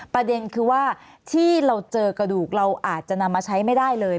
ประเด็นคือว่าที่เราเจอกระดูกเราอาจจะนำมาใช้ไม่ได้เลย